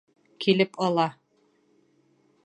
Килеп ала!